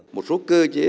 một số cơ chế